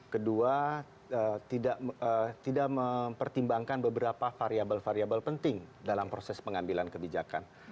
kedua tidak mempertimbangkan beberapa variable variable penting dalam proses pengambilan kebijakan